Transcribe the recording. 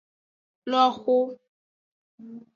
Lo exo.